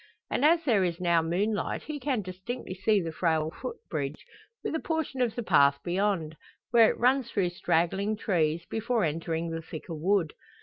And as there is now moonlight he can distinctly see the frail footbridge, with a portion of the path beyond, where it runs through straggling trees, before entering the thicker wood.